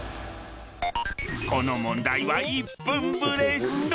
この問題は１分ブレスト！